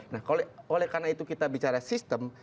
nah oleh karena itu kita bicara sistem